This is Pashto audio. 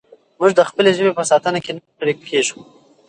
موږ د خپلې ژبې په ساتنه کې نه ستړي کېږو.